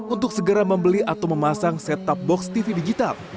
untuk segera membeli atau memasang setup box tv digital